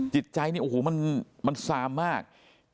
จิตใจมันซามมาก